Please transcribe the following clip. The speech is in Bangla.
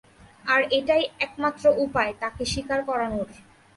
আর এটাই একমাত্র উপায় তাঁকে স্বীকার করানোর।